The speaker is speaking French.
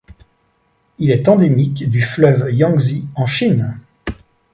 Il est endémique du fleuve Yangzi en Chine.